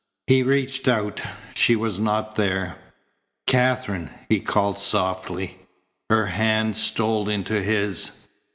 He reached out. She was not there. "Katherine," he called softly. Her hand stole into his.